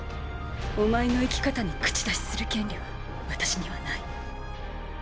お前の生き方に口出しする権利は私には無い。